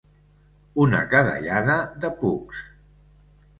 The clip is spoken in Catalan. Una cadellada de pugs.